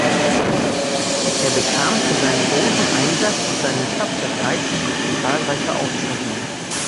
Er bekam für seinen großen Einsatz und seine Tapferkeit zahlreiche Auszeichnungen.